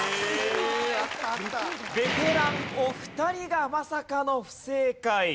ベテランお二人がまさかの不正解。